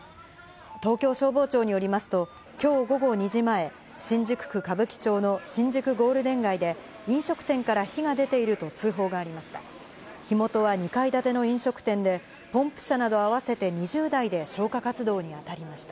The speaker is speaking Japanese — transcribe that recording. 東京消防庁によりますと、きょう午後２時前、新宿区歌舞伎町の新宿ゴールデン街で、飲食店から火が出ていると通報がありました。